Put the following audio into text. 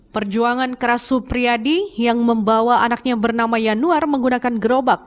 perjuangan keras supriyadi yang membawa anaknya bernama yanuar menggunakan gerobak